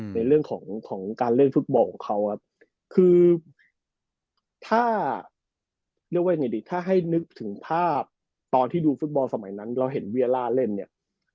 ในเรื่องของการเล่นฟุตบอลของเขาคือถ้าให้นึกถึงภาพตอนที่ดูฟุตบอลสมัยนั้นเราเห็นเวียร่าเล่นเนี่ย